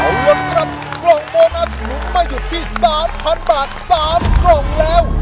เอาล่ะครับกล่องโบนัสลุ้นมาอยู่ที่๓๐๐๐บาท๓กล่องแล้ว